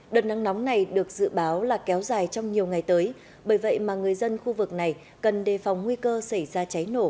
đợt nắng nóng này được dự báo là kéo dài trong nhiều ngày tới bởi vậy mà người dân khu vực này cần đề phòng nguy cơ xảy ra cháy nổ